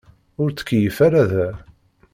Ur ttkeyyif ara da.